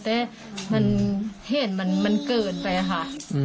แต่ผิดชอบเกินไปค่ะ